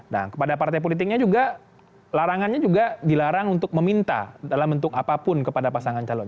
nah kepada partai politiknya juga larangannya juga dilarang untuk meminta dalam bentuk apapun kepada pasangan calon